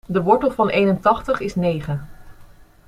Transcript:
De wortel van eenentachtig is negen.